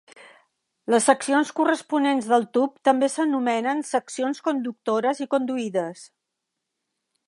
Les seccions corresponents del tub també s'anomenen seccions conductores i conduïdes.